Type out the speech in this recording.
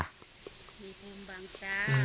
มีภูมิบางตา